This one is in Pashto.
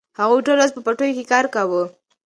هغوی ټوله ورځ په پټیو کې کار کاوه.